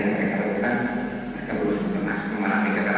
sebenarnya kami sudah pernah mengalami kekalahan